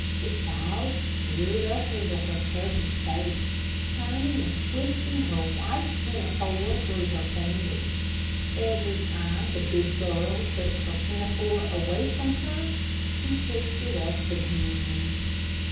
The child stared up into her cousin's face, turning and twisting her white pinafore through her fingers. Every time the big girl took her pinafore away from her, she picked it up again.